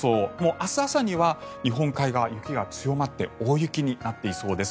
明日朝には日本海側は雪が強まって大雪になっていそうです。